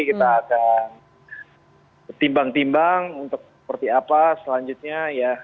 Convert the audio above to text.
kita akan timbang timbang untuk seperti apa selanjutnya ya